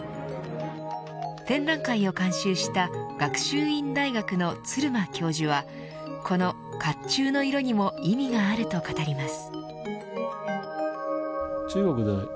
展覧会を監修した学習院大学の鶴間教授はこの甲冑の色にも意味があると語ります。